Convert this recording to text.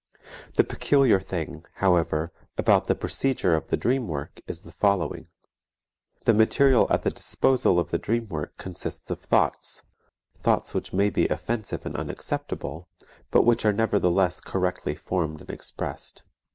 The peculiar thing, however, about the procedure of the dream work is the following: The material at the disposal of the dream work consists of thoughts, thoughts which may be offensive and unacceptable, but which are nevertheless correctly formed and expressed.